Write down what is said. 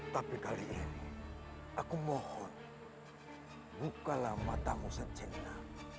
tapi kali ini aku mohon bukalah matamu secinta